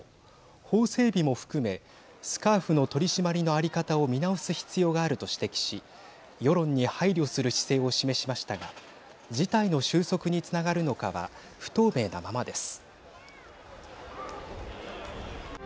法整備も含めスカーフの取締りの在り方を見直す必要があると指摘し世論に配慮する姿勢を示しましたが事態の収束につながるのかは不透明なままです。